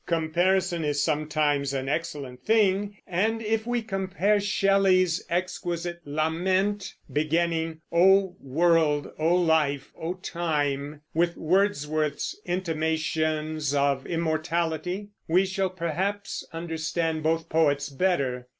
Comparison is sometimes an excellent thing; and if we compare Shelley's exquisite "Lament," beginning "O world, O life, O time," with Wordsworth's "Intimations of Immortality," we shall perhaps understand both poets better.